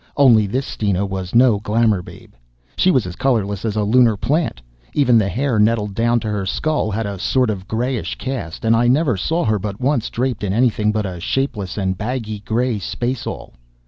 Only this Steena was no glamour babe. She was as colorless as a Lunar plant even the hair netted down to her skull had a sort of grayish cast and I never saw her but once draped in anything but a shapeless and baggy gray space all.